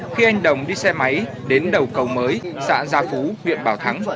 khi anh đồng đi xe máy đến đầu cầu mới xã gia phú huyện bảo thắng